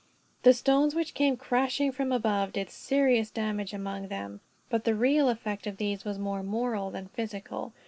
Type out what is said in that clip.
The stones which came crashing from above did serious damage among them, but the real effect of these was more moral than physical.